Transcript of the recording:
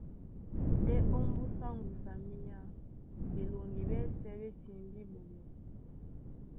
Ndé ómbúsá ŋgusu a minyá ɓeloŋgi ɓɛ́sɛ̄ ɓé timbí ɓɔɓɔ.